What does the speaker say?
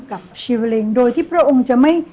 กับชีวาเล็งโดยที่พระองค์จะไม่